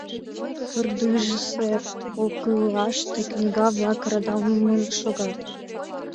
Пырдыжысе полкылаште книга-влак радамын шогат.